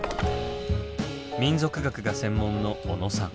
民俗学が専門の小野さん。